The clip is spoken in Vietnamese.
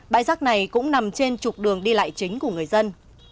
bãi rác này cũng nằm trên trục đường đi lại chính của người dân